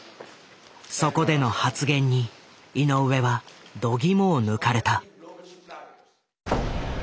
そこでの発言に井上はどぎもを抜かれた。